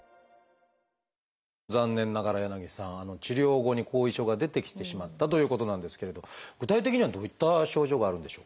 残念ながら柳さん治療後に後遺症が出てきてしまったということなんですけれど具体的にはどういった症状があるんでしょうか？